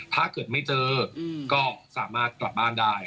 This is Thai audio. ถ้าเกิดไม่เจอก็สามารถกลับบ้านได้